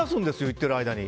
言ってる間に。